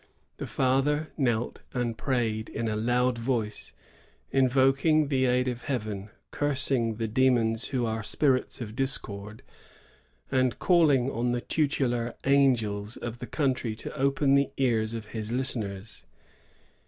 The father knelt and prayed in a loud voice, invoking the aid of Heaven, cursing the demons who are spirits of dis cord, and calling on the tutelar angels of the country to open the ears of his listeners.